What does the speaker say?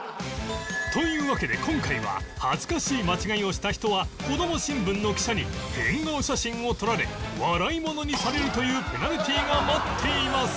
というわけで今回は恥ずかしい間違いをした人はこども新聞の記者に変顔写真を撮られ笑い者にされるというペナルティーが待っています